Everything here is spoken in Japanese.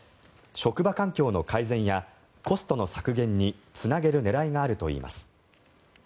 職場環境の改善やコストの削減につなげる狙いがあるといいます。